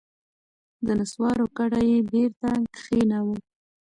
د نسوارو کډه یې بېرته کښېناوه.